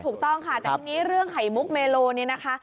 ถูกต้องค่ะแต่เรื่องไขมุกเมโลนี้นะคะ